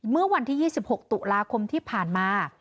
เมื่อวันที่๒๖ตุลาคมที่ผ่านมา